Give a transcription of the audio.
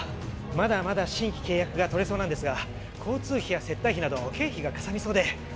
まだまだ新規契約が取れそうなんですが交通費や接待費など経費がかさみそうで。